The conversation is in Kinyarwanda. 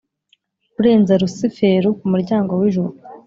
kurenza lusiferi ku muryango w'ijuru